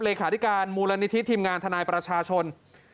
เลขาธิการมูลนิธิทีมงานทนายประชาชน